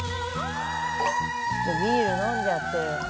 ビール飲んじゃってる。